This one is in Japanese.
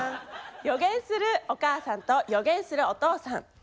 「予言するお母さんと予言するお父さん」。